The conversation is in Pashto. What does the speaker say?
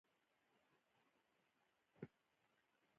حضرت محمد یې د ریښتینې لارې لپاره استازی وګوماره.